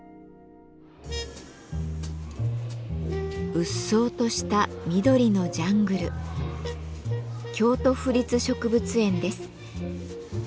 うっそうとした緑のジャングル京都府立植物園です。